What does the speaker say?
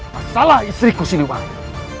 masalah istriku siliwangi